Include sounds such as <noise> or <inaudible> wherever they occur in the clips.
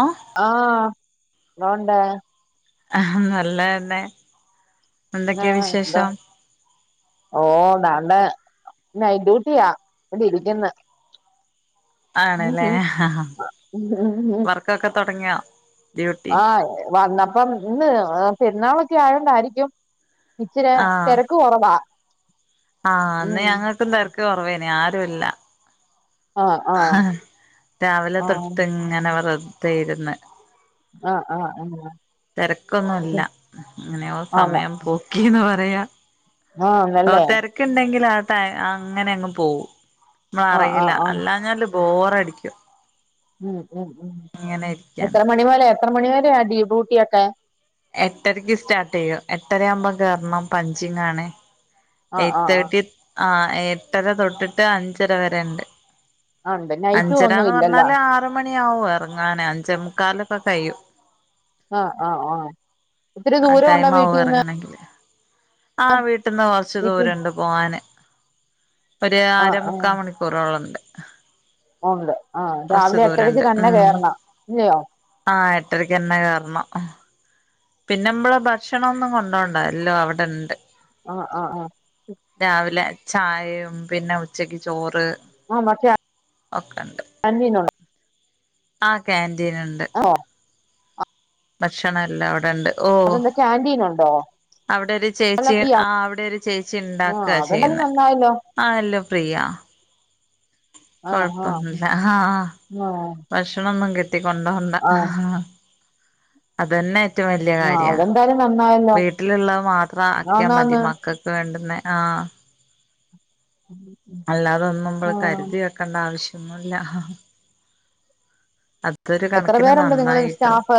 ആഹ് ആഹ് ന്തോണ്ട്? ആഹ് നല്ലെന്നെ ന്താ ന്തോ ഓ ന്താണ്ടെ നൈറ്റ് ഡ്യൂട്ടിയാ ഇവിടെ രിക്കുന്ന് ആണല്ലേ ഹ ഹ വർക്കൊക്കെ തുടങ്ങിയാ? ആഹ വന്നപ്പം ഇന്ന് പെരുന്നാളൊക്കെ ആയോണ്ടായിരിക്കും ഇച്ചിരെ ആഹ് തിരക്ക് കുറവാ ആഹ് ന്ന് ഉം ഞങ്ങക്കും തിരക്ക് കുറവേന് ആരും ഇല്ല ആഹ് ഹ ആഹ് രാവിലെ ആഹ് തൊട്ട് ഇങ്ങനെ വെർതെ ഇരുന്ന്. ആഹ ആഹ് ആഹ തെരക്കൊന്നുല്ല ങ്ങനെയോ ആന്ന് സമയം പോക്കിന്ന് പറയാ. ഓ ആന്നല്ലേ തിരക്കുണ്ടെങ്കിൽ ആട്ട അങ്ങനെ അങ്ങ് പോകും മ്മള ആഹ് അറിയില്ല ആഹ് ആഹ് അല്ലാ ഞ്ഞാല് ബോറടിക്കും. ഉം ഉം ഉം ഇങ്ങനെ ഇരിക്കാന് എത്ര മണി പോലെ എത്ര മണി വരെ ഡീബൂ ട്ടിയൊക്കെ എട്ടരയ്ക്ക് സ്റ്റാർട്ട് ചെയ്യും എട്ടരയാവുമ്പോൾ കെറണം പഞ്ചിങ്ങാണ്. ആഹ് എയ് ആഹ് ആഹ് തെർട്ടി ആ എട്ടര തൊട്ടിട്ട് അഞ്ചര വരെണ്ട് ആഹ് ഉണ്ട് നൈറ്റും ഒന്നും അഞ്ചരാന്നു ഇല്ലല്ലോ പറഞ്ഞാല് ആറ് മണിയാവും ഇറങ്ങാനേ അഞ്ച മുക്കാലൊക്കെ കഴിയും. ആഹ ആഹ് ആഹ ഒത്തിരി ആ ദൂരം ഉണ്ടോ ടൈം ആവും വീട്ടിൽന്ന് ഇറങ്ങണെങ്കില് ആ വീട്ടിൽന്ന് കൊറച്ച് വീട്ടി ദൂരുണ്ട് പോവാന് ഒരു ആര ആഹ് ആഹ് മുക്കാ മണിക്ക് കൂറോളൊക്കെ ഉണ്ട് ആ രാവിലെ എട്ടരക്ക് ദൂരണ്ട് തന്നെ കേറണം ഇല്ലയോ ആഹ ഏട്ടരക്ക്ന്നെ കേറണം. പിന്നെമ്മളൾ ഭക്ഷണ ഒന്നും കൊണ്ടോണ്ട എല്ലാം അവിടെണ്ട്. ആ ആ ആഹ് രാവിലെ ചായയും പിന്നെ ഉച്ചക്ക് ചോറ് ആ മറ്റേ ഒക്കെ ഉണ്ട് അന്നിനോൻ ആ കേന്റീനുണ്ട്. ഓ ഭക്ഷണം എല്ലാം അവിടെ ഇണ്ട്. അതെന്താ ക്യാന്റീൻ ഉണ്ടോ? അവിടെ ഒരു അല്ല ചേച്ചി ആ അവിടെ ഒരു ചേച്ചി ഉണ്ടാക്ക ചെ എല്ലല്ലായിലോ ആ എല്ലം ഫ്രീയാ ആ ആ കൊഴപ്പൊന്നില്ല ആഹ ആ ഭക്ഷണ ഒ ന്നും കെട്ടി കൊണ്ടാ ആ അതന്നെ ഏറ്റവും വലിയ ആ കാര്യ അതെന്തായാലും നന്നായല്ലോ വീട്ടിലുള്ളത് മാത്രം അക്കിയാ മതി ആന്നാന്ന് മക്കൾ വേണ്ടുന്നെ ആ ഉ അല്ലാതോന്നുമ്പൾ കരുതി വെക്കേണ്ട ആവശ്യം ഒന്നുമല്ല. എത്ര കണക്കിന് പേരുണ്ട് നിങ്ങള് നന്നായിട്ടോ സ്റ്റാഫ്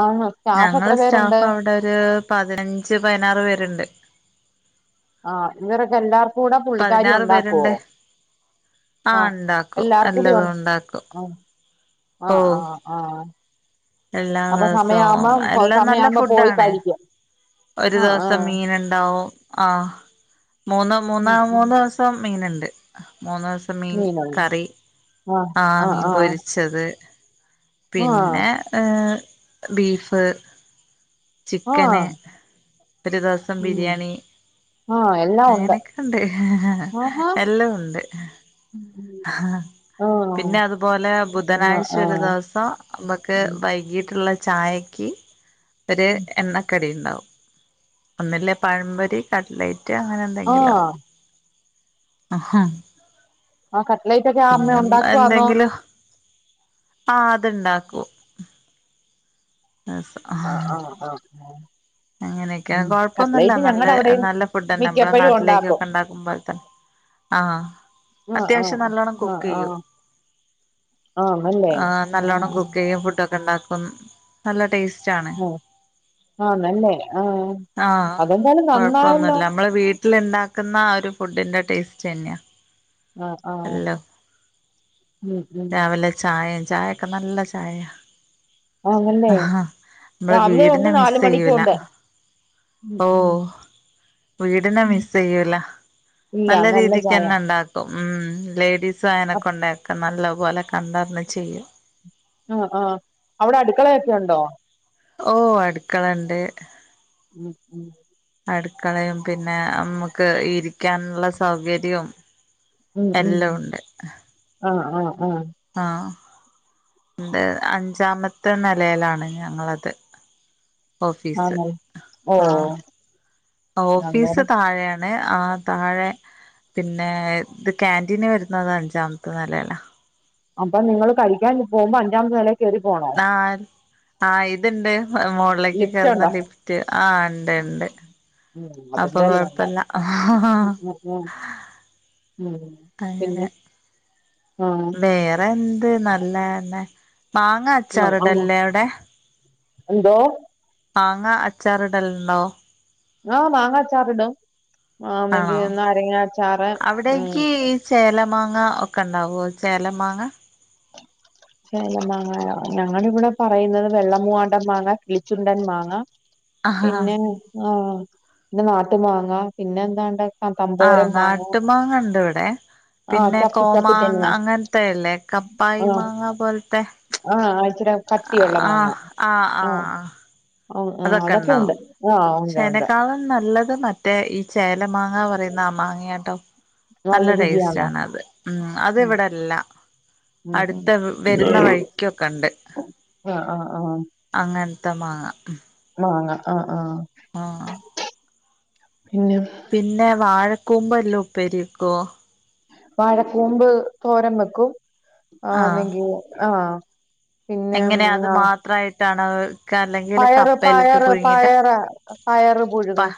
ആഹ് ഞങ്ങള് സ്റ്റാഫ് അവിടെ ഒരു പതിനഞ്ച് പതിനാറ് പേരുണ്ട്. ആഹ് ഇവരൊക്കെ എല്ലാർക്കും കൂടെ പുള്ളിക്കാരി പതിനാറ് ഉണ്ടാകൊ പേരുണ്ട് ആ ആഹ ഉണ്ടാക്കും എല്ലാർക്കും എല്ലതും ഉണ്ടാക്കും ണ്ടാ ആഹ ഓ ആഹ ആഹ് എല്ലാ അപ്പൊ ദിവസവും സമയമാവുമ്പോ എല്ലാം നല്ല സമയമാവുമ്പോ പോയി ഫുഡാണ് കഴിക്ക ഒരു ദിവസം മീൻ ഉണ്ടാവും ആഹ മൂന്നോ മൂന്നാ ഉം ഉം മൂന്ന് ദി വസം മീന്ണ്ട് മൂന്ന് ദിവസം മീൻ മീനുണ്ട് കറി ആഹ് ആ മീൻ ആഹ് ആഹ് പൊരി ച്ചത് ആഹ് പിന്നെ ബീഫ് ആഹ് ചിക്കന് ഒരു ദിവസം ബിരിയാണി. ആഹ എല്ലാ അങ്ങനൊക്കുണ്ട് എല്ല ഉണ്ട് ആഹ ആഹ് ആഹ് പിന്നെ അതുപോലെ ബുധനാഴ്ച ആഹ് ഒരു ആഹ് ദിവസം നമ്മുക്ക് വൈകീട്ടുള്ള ചായ ചായക്ക് ഒരു എണ്ണക്കടി ഉണ്ടാവും ഒന്നല്ലകി പഴം പോരി. കട്ലൈറ്റ് അങ്ങനെ ആ എന്തെങ്കിലും. ആ കട്ട്ലേറ്റ് ഒക്കെ ആ അമ്മ പിന്നെ ഉണ്ടാക്കുവാന്നോ എന്തെങ്കിലും ആ അത് ണ്ടാക്കും <inaudible> ആ ഹ് ഓ ഓ അങ്ങനെയൊക്കെ കുഴപ്പം ഒന്നുല്ല നല്ല അവിടെയും നല്ല ഫുഡ് തന്നെ നമ്മള മിക്കപ്പഴും ഉണ്ടാക്കും നാട്ടിലേക്കൊക്കെ ഉണ്ടാക്കുമ്പോൾ തന്നെ. ആഹ ആഹ് ആഹ് അത്യാവശ്യം നല്ലോണ്ണം കുക്ക് ആഹ് ചെയ്യും. ആഹ് ആന്നല്ലേ ആ ആഹ് നല്ലോണ്ണം കുക്ക് ചെയ്യും. ഫുഡ ഒക്കെ ഉണ്ടാക്കും നല്ല ടേസ്റ്റ് ആണ്. ആണല്ലെ ആഹ ആഹ കൊഴപ്പൊന്നുമല്ല നമ്മള് വീട്ടില്. ഉണ്ടാക്കുന്ന ആ ഒരു ഫുഡിന്റെ ടേസ്റ്റ് തന്നെയാണ്. ആഹ് ആഹ് നല്ലം ഉം ഉം രാവിലെ ചായ ചായൊക്കെ നല്ല ചായ. ആന്നല്ലേ ആഹ മ്മള് രാവിലെ ഉണ്ട് വീടിനെ മിസ് നാല് മണിക്കും ചെയ്യൂല. ഉണ്ട് ഉം ഓ ഉം വീടിനെ മിസ് ചെയ്യൂല ഇല്ല നല്ല രീതിക്ക് ചായ തന്നെ. ഉണ്ടാക്കും ഉം ലേഡീസും അയനൊക്കെണ്ടെ ക്കെ നല്ല പോലെ കണ്ടറിന്ന് ചെയ്യും. ആഹ ആഹ അവിടെ അടുക്കളയൊക്കെ ഉണ്ടോ? ഓ അടുക്കളുണ്ട്. ഉം ഉം അടുക്കളയും പിന്നെ നമുക്ക് ഇരിക്കാനുള്ള സൗകര്യവും. ഉം ഉ എല്ലാം ആഹ് ആഹ് ആഹ് ആഹ എന്ത് അഞ്ചാമത്തെ നിലയിലാണ് ഞങ്ങളത്. ഓഫീസ് ആണല്ലേ ഓഹ് ആഹ ഓഫീസ് അന്നേരം താഴെയാണ്. ആണ് താഴെ പിന്നെ ഇത് കാന്റീന് വരുന്നത് അഞ്ചാമത്തെ നിലല്ല. അപ്പൊ നിങ്ങള് കഴിക്കാൻ പോകുമ്പോ അഞ്ചാമത് നിലേ കയറി പോണം. ആഹ ആഹ ഇത്ണ്ട് മോളോക്ക് ലിഫ്റ്റ് കയറുന്ന ഉണ്ടോ ലിഫ്റ്റ് ആഹ് ഉണ്ട് ഉണ്ട് ഉം അപ്പൊ കൊഴപ്പില്ല. ഹഹ ആഹ് ഉം പിന്നെ ആഹ് വറെ എന്ത് നല്ലന്നെ മാങ്ങ ആഹ് ആഹ് അച്ചാറിടല്ലേ അവിടെ എന്തോ? മാങ്ങ അച്ചാറ് ഇടല്ലുണ്ടോ? ആഹ് മാങ്ങാച്ചാർ ഇടും ആഹ അങ്കി ആണോ നരങ്ങാച്ചാറ് ഉം ചേല മാങ്ങ ഒക്കെ ഉണ്ടാവുമോ ചേല മാങ്ങ. ല്ല മാങ്ങ ഞങ്ങടെ ഇവിടെ പറയുന്നത് വെള്ളം മുവാണ്ടൻ മാങ്ങാ കിളിച്ചുണ്ടൻ മാങ്ങാ. ആഹ് പിന്നെ ആഹ് പിന്നെ നാട്ടു മാങ്ങ പിന്നെ എന്താണ്ട. ആഹ് തമ്പോരം മാങ്ങ നാട്ടുമാങ്ങ ഉണ്ട് ഇവിടെ. ആഹ് പിന്നെ ചപ്പി ചപ്പി കോമാങ്ങ തന്നെയാ അങ്ങനത്തെല്ലേ കപ്പായി മാങ്ങ പോലത്തെ. ആഹ ആഴ്ച്ച കടിയുള്ള മാങ്ങ ആഹ് ആഹ് ആഹ് ആഹ ഹ അതൊക്കെ ഉണ്ട് ആഹ് ഉണ്ട് ഉണ്ട്. ചേനക്കാളും നല്ലത് മറ്റേ ഈ ചേല മാങ്ങ പറയുന്ന ആ മാങ്ങയാ കേട്ടോ. നല്ല ടേസ്റ്റ് ആണത്. ഉം അത് ഉം ഇവിടെല്ല. ഉം ഉം അടുത്ത് വരുന്ന വഴിക്കൊക്കെ ഉണ്ട്. ആഹ് ആഹ് ആഹ് അങ്ങനത്തെമാങ്ങ മാങ്ങ ആഹ് ആഹ് മാങ്ങ പിന്നെ പിന്നെ വാഴക്കൂപ് എല്ലാം ഉപ്പേരിവക്കോ? വാഴക്കൂമ്പ് തോരം വെക്കും ആഹ ആഹ് അങ്കിൽ ആഹ് പിന്നെ എങ്ങനെ അത് ആഹ് മാത്രമായിട്ടാണ്. കലെങ്ങ്ല് പയറ് കപ്പെല്ലുട്ട് പയറ് പുഴുങ്ങീട്ട് പയറ് പയറ് പാ പുഴുങ്ങും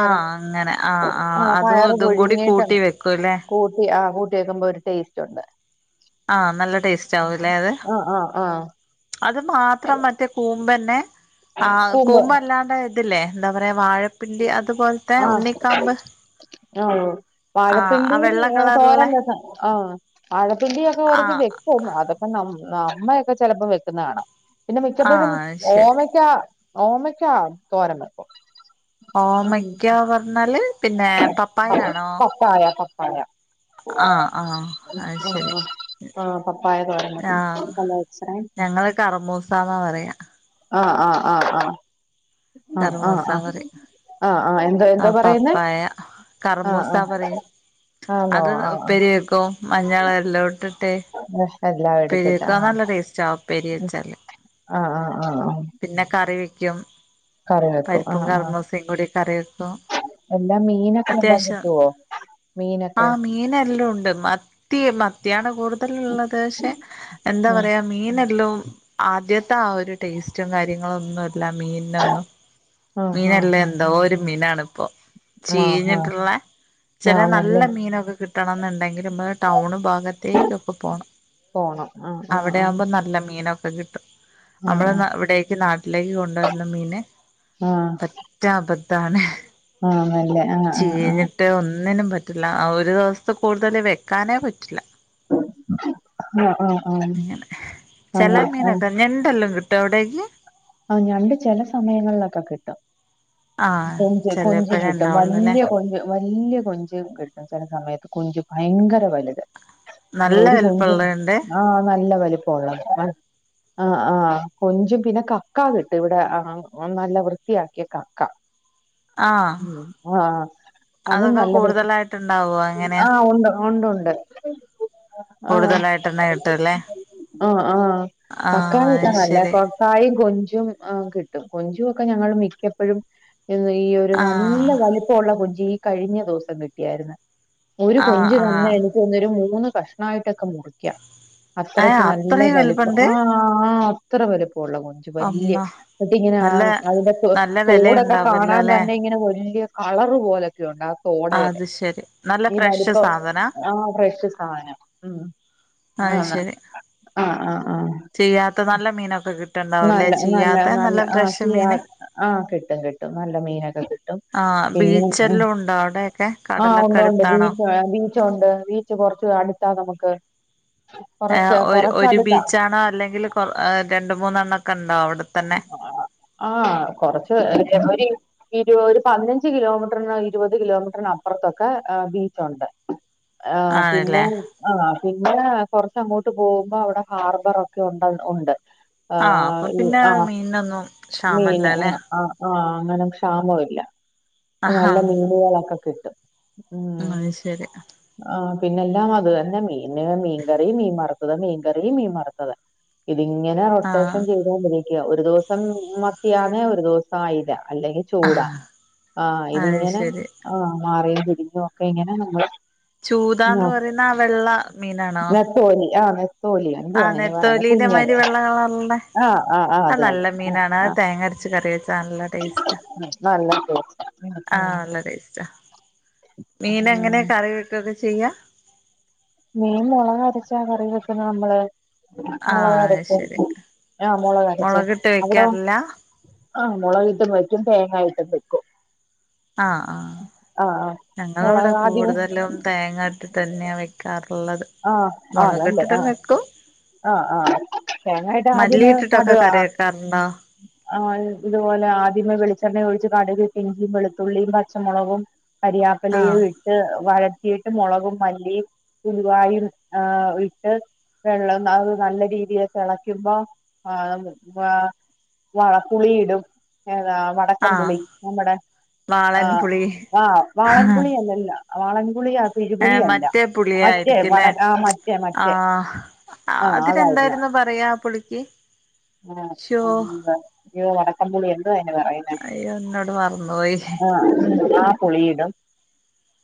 ആഹ് അങ്ങനെ ആഹ് ആഹ് അതും പയറ് ഇതും കൂടി പുഴുങ്ങിയിട്ട് കൂട്ടി വെക്കുവല്ലേ കൂട്ടി ആഹ് കൂട്ടി വെക്കുമ്പൊര് ടേസ്റ്റൊണ്ട് ആഹ് നല്ല ടേസ്റ്റാവുംലേ അത് ആ ആ ആ അത് മാത്രം മറ്റേ കൂമ്പെന്നെ ആഹ് കൂമ്പ് കൂമ്പല്ലാണ്ടെതില്ലേ ന്താ പറയാ വാഴ പിണ്ടി അത്പോൽത്തെ ഉണ്ണിക്കാമ്പ് ആഹ ആ ആ വാഴപ്പിണ്ടി വെള്ള തോരൻ കളറിലെ വോകൻ ആഹ്. വാഴപ്പിണ്ടിയൊക്കെ ആ വറത്ത് വെക്കും അതൊക്കെ ന അമ്മയൊക്കെ ചെലപ്പോ വെക്കുന്ന കാണാ പിന്നെ ആ മിക്കപ്പോഴും ശരി ഓമക്കാ ഓമക്കാ തോരൻ വെക്കും ഉം ഓമക്കാ പറ്ഞ്ഞാല് പിന്നെ പ- പപ്പായയാണോ? പപ്പായ പവായ ആഹ് ആഹ് അയ്ശെരി ആ ആ, പപ്പായ തോരൻ വെക്കും ആഹ് ഹലോ എക്സറേ ഞങ്ങള് കറ്മൂസാന്നാ പറ്യാ. ആഹ് ആഹ് ആഹ് ആഹ് കർമൂസാങ്കറി ആ ആ എന്തോ എന്തോ ആഹ് പറയുന്നേ പപ്പായ ആ ആ കർമൂസാ പറയും ആന്നോ അത് ആ ആ ഉപ്പേരി വെക്കും മഞ്ഞളെല്ലവൂട്ട് ട്ടേ എല്ലാം ഉപ്പേരി എടുത്തിട്ട് വെക്കാൻനല്ല ആ ടേസ്റ്റാ ഉപ്പേരി വെച്ചാല്. ആഹ് ആഹ് ആഹ് ആഹ് പിന്നെ കറി വെക്ക്യും കറി വെക്കും ആഹ് ആഹ് കറി വെക്കും അല്ലാ മീനൊക്കെന്താ കിട്ട്വോ. മീനൊക്കെ മീനെല്ലൂണ്ട് മത്തി മത്തിയാണ് കൂടുതല്ള്ളത് ശേ എന്താ പറയാ മീനെല്ലും ആദ്യത്താ ഒര് ടേസ്റ്റും കാര്യങ്ങളൊന്നൂല്ല മീൻ. നൊന്നും ആഹ് ആഹ് മീനല്ലെന്തോ ഒരു മിനാണ്പ്പൊ ആഹ് ആഹ് ആഹ് ചീഞ്ഞ്ട്ട്ള്ളെ ആഹ് ചെലെ ആഹ് നല്ല മീനൊക്കെ കിട്ടണംന്ന്ണ്ടെങ്കില്മ്മള് ടൗണ് ഭാഗത്തേക്കൊക്കെ പോണം. പോണം ആഹ് ആഹ് ആഹ് അവടെയാവുമ്പോ നല്ല മീനൊക്കെ കിട്ടും. ആഹ് അവ്ടെന്നാ ഇവിടേക്ക് നാട്ടിലേക്ക് കൊണ്ടുവരുന്ന മീന് ആഹ് ത ച്ചാപത്താണ്. ആഹ് അല്ലെ ആഹ് ആഹ് ആഹ് റ്റേ ഒന്നിനും പറ്റില്ല ഒരൂവ്സ്ത്ത് കൂട്തൽ വെക്കാനേ പറ്റില്ല. ആഹ് ആഹ് ആഹ് ങ്ങനെ ചെലേ അങ്ങനെ ആഹ് മീനൊക്കെ ഞണ്ടെല്ലം കിട്ടൊ അവ്ടെ ആഹ് ഞണ്ട് ചെല സമയങ്ങള്ലൊക്കെ കിട്ടും. ആഹ് കൊഞ്ച് കൊഞ്ച് ചെലപ്പഴേ കിട്ടും ഉണ്ടാവുള്ളൂല്ലേ വല്യെ കൊഞ്ച് വല്യെ കൊഞ്ച് കിട്ടും ചെല സമയത്ത് കൊഞ്ച് ഭയങ്കര വലുത്. നല്ല ഒരു കൊഞ്ച്. വലിപ്പമുള്ളതുണ്ട് ആഹ് നല്ല വലിപ്പവൊള്ളത് ആഹ് ആഹ് കൊഞ്ചും പിന്നെ ക ക്കാ കിട്ടും ഇവിടെ ആഹ് നല്ല വൃത്തിയാക്കിയ കക്ക. ആഹ് ഉം ആഹ് അതും അതൊക്കെ നല്ലത് കൂടുതലായിട്ടുണ്ടാവോ എങ്ങനെയാ ആഹ് ഒണ്ട് ഒണ്ട് ഒണ്ട് ആഹ് കൂടുതലായിട്ടെന്നെ കിട്ടുംല്ലേ ആഹ് ആഹ് കക്കാ ആഹ് ളി അത് നല്ലത് ശരി കൊ കായും കൊഞ്ചും ആഹ് കിട്ടും കൊഞ്ചുവൊക്കെ ഞങ്ങൾ മിക്കപ്പഴും. ഈ ഒര് നല്ല ആഹ് വലിപ്പവൊള്ള കൊഞ്ച് ഈ കഴിഞ്ഞ ദുവ്സം കിട്ടിയാര്ന്ന്. ഒരു ആഹ് കൊഞ്ച് തന്നെ ആഹ് എനിക്കോന്ന്ന്നൊര് മൂന്ന് കഷ്ണവായിട്ടൊക്കെ മുറിക്കാം. ഏഹ് അത്രയ്ക്ക് നല്ല അത്രയും വലിപ്പം വലിപ്പണ്ട് ആഹ് ആഹ് അത്ര വലിപ്പവൊള്ള കൊഞ്ച്. വല്യെ അമ്മ ഒക്കിങ്ങനെ നല്ല അതിന്റെ നല്ല തോടൊക്കെ കാണാൻ വെലയുണ്ടാവല്ലോല്ലേ തന്നെ. ഇങ്ങെ വല്യെ കളറ് പോലൊക്കെയൊണ്ടാവും. തോടെയെക്കെ അത് ശരി നല്ല ഈ ഫ്രഷ് വലുപ്പം സാധനാ ആഹ് ഫ്രഷ് സാനം. ഉം ആന്ന് അയ്ശെരി ആ ആ ആ ചിയ്യാത്ത നല്ല മീനൊക്കെ കി നല്ല നല്ല നല്ല ആ ചിയ മീന് ആഹ് കിട്ടും കിട്ടും നല്ല മീനൊക്കെ ആഹ് പിന്നെ ബീച്ചെല്ലാം ഉണ്ടോ അവിടെയൊക്കെ ആ ഉ കടലൊക്കെ ഉണ്ട് അടുത്താണോ ബീ ചുണ്ട് ബീച്ച് കൊറച്ച് അടുത്താ നമുക്ക്. എഹ് കൊറച്ച് ഒരു ഒരു കൊറച്ചടുത്താ ബീച്ചാണോ അല്ലെങ്കിൽ കൊ രണ്ട് മൂന്നെണ്ണം ഒക്കെ ഉണ്ടാ അവിടുത്തെ. ആ ആഹ് കൊറച്ച്. ഒരി ഇരു ഒരു പതിനഞ്ച് കിലോമീറ്ററിന് ഇരുപത് കിലോമീറ്ററിന് അപ്പുറത്തൊക്കെ ബീച്ചുണ്ട്. ആഹ് പിന്നെ ആണല്ലേ ആഹ് പിന്നെ കൊറച്ച് അങ്ങോട്ട് പോകുമ്പോ അവിടെ ഹാർബർ ഒക്കെ ഉണ്ട് ഉണ്ട്. ആഹ് അപ്പൊ ഈ പിന്നെ ആഹ് മീനിനൊന്നും മീന് ക്ഷാമല്ലാല്ലേ? ആഹ് ആഹ് അങ്ങനെ ക്ഷാമൊല്ല. ആഹാ നല്ല മീനുകളൊക്കെ കിട്ടും. ആഹ് അത് ശരി ആഹ് പിന്നെ എല്ലാം അത് തന്നെ മീന് മീൻകറി, മീൻ വർത്തത്. മീൻകറി, മീൻ വർത്തത്. ഇതിങ്ങനെ ആഹ് റൊട്ടേഷൻ ചെയ്ത് കൊണ്ടിരി ക്യാ. ഒര് ദിവസം മത്തിയാണെ ഒരു ദിവസ അയ്ല. അല്ലെങ്കി ചൂടാ. ആഹ് ആഹ് അത് ഇതിങ്ങനെ ശരി ആഹ് മാറയും തിരിഞ്ഞൊക്കെ ഇങ്ങനെ നങ്ങള് ചൂദാന്ന് പർയുന്ന ആ വെള്ള മീനാണോ? കോലി. ആഹ് ണ്. ആഹ് നെത്തോലിന്റെ മായിരി വെള്ള കളർള്ളെ ആഹ് ആഹ് ആഹ് അത് അനല്ല തന്നെ ആഹ് മീനാണ്. അഹ് ആഹ് തേങ്ങര്ച്ച് കറിവെച്ചാ നല്ല ടേസ്റ്റാ. നല്ല ടേസ്റ്റ് ആഹ് നല്ല ടേസ്റ്റാ. മീന് എങ്ങനെ ആഹ് കറി വെക്കൊക്കെ ചെയ്യാ? മീൻ മൊളകരച്ചാ കറി വെക്ക്ന്നെ നമ്മള്. ആഹ് അത് മൊളകരച്ച്. ശരി ആഹ് മൊളകരച്ച്. മുളകിട്ട് അവ്ടൊ? വെക്കാറില്ല ആഹ്. മൊളക് ട്ട് വെയ്ക്കും. തേങ്ങായ്ട്ടും വെക്കും. ആഹ് ആഹ് ആഹ് ആഹ് ഞങ്ങളെവ്ടെ മുളക് ആദ്യമേ കൂടുതലും തേങ്ങാട്ട് തന്നേ വയ്ക്കാറുള്ളത്. ആഹ് ആഹ് നല്ലേ ആഹ് ആഹ് ആഹ് തേങ്ങായിട്ട് ആദ്യമേ <unintelligible> ആഹ് ക <unintelligible> ആഹ് ഇത്പോലെ ആദ്യമേ വെളിച്ചെണ്ണ ഒഴിച്ച് കടുക് ഇട്ട് ഇഞ്ചിയും, വെളുത്തുള്ളിയും പച്ച മൊളകും കരിയാപ്പിലയും ആഹ് ഇ ട്ട് വഴറ്റിയിട്ട് മുളകും, മല്ലിയും ഉലുവായും, ആഹ് ഇട്ട് വെള്ളം അഹ് നല്ല രീതിയി തെളയ്ക്കുമ്പൊ <unintelligible> ആഹ് വള പ്പുളിയിടും. ഏതാ വ വക്കം ആഹ് പുളി. നമ്മടെ വാളൻ ആഹ് പുളി ആഹ് വാളൻപുളി അല്ലല്ലാ വാളൻപുളി ആ പിരി ഏഹ് പുളിയല്ല. മറ്റേ മറ്റേ വട പുളിയായിരിക്കുംല്ലേ ആഹ് മറ്റേ, മറ്റേ ആഹ് അതിരെന്തായിരുന്നു പറയാ പുളിക്ക്? ആഹ് ശോ അം ന്ത അയ്യോ വടക്കംപുളി എന്തോ അയിന് പറയുന്നേ? എന്നോട് വ മർന്നോയി ആ പുളിയിടും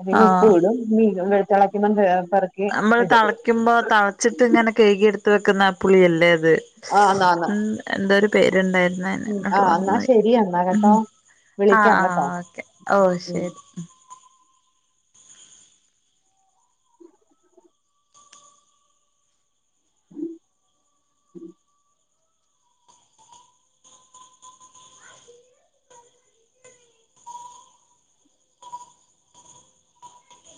പിന്നെ ആഹ് ഉപ്പൂടും മീനും വെള്ളം തെളയ്ക്കുമ്പം <unintelligible> അമ്മള് തളയ്ക്കുമ്പൊ തളച്ചിട്ട് ങ്ങനെ കെയ്കിട്ത്ത് വെക്കുന്ന ആ പുളിയല്ലേത്. ആഹ് ന്നാ ന്നാ മ്. എന്തൊര് പേര്ണ്ടായിര് ന്നായ്ന്. ഉം ന്നപ്പൊ ആഹ് എന്നാ മർന്നോയി. ശരി എന്നാ കേട്ടോ മ് ആഹ് വിളിക്കാം കേട്ടോ ആഹ് ഓക്കെ ഓ ഉം ശരി.